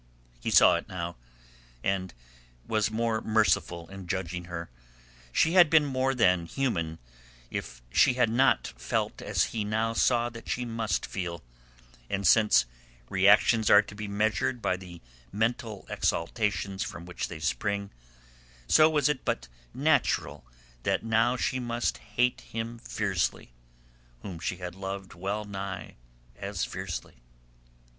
He saw it now, and was more merciful in judging her. She had been more than human if she had not felt as he now saw that she must feel, and since reactions are to be measured by the mental exaltations from which they spring, so was it but natural that now she must hate him fiercely whom she had loved wellnigh as fiercely.